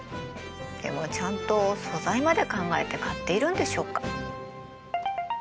でもちゃんと素材まで考えて買っているんでしょうか？